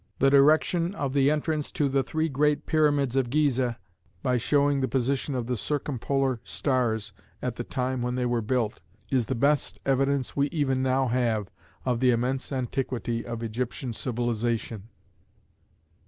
The direction of the entrance to the three great Pyramids of Ghizeh, by showing the position of the circumpolar stars at the time when they were built, is the best evidence we even now have of the immense antiquity of Egyptian civilization.